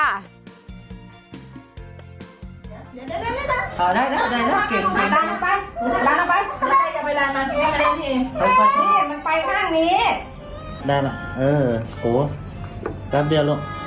อ่าได้